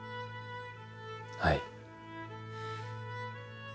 はい。